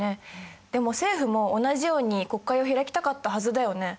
でも政府も同じように国会を開きたかったはずだよね？